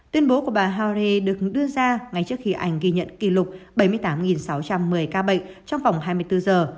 tuyên bố của bà hare được đưa ra ngay trước khi anh ghi nhận kỷ lục bảy mươi tám sáu trăm một mươi ca bệnh trong vòng hai mươi bốn giờ